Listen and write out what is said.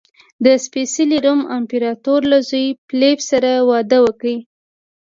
د سپېڅلي روم امپراتور له زوی فلیپ سره واده وکړ.